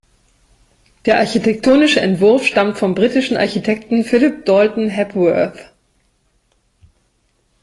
Der architektonische Entwurf stammt vom britischen Architekten Philip Dalton Hepworth.